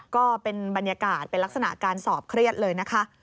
ก็เป็นบรรยากาศเป็นลักษณะการสอบเครียดเลยนะคะ